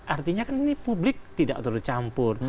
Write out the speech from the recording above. artinya kan ini publik tidak tercampur